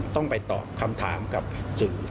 ต้องไปตอบคำถามกับสื่อ